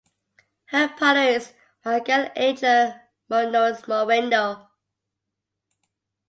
Her partner is Miguel Angel Munoz Moreno.